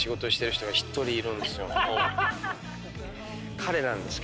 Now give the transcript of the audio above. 彼なんですけど。